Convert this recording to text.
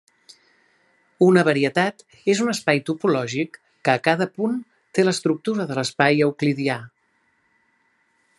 Una varietat és un espai topològic que, a cada punt, té l'estructura de l'espai euclidià.